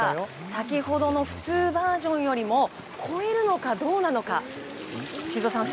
先ほどの普通バージョンよりも超えるのかどうなのか。